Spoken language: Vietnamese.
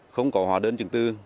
không có hóa đơn chứng tư